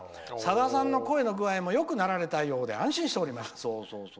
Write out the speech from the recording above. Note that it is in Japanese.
さださんの声の具合もよくなられたようで安心しております」。